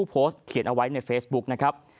โพสต์เขียนเอาไว้ในเฟซบุ๊กนะครับ